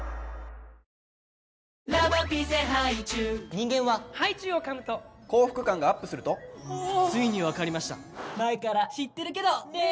人間はハイチュウをかむと幸福感がＵＰするとついに分かりました前から知ってるけどねー！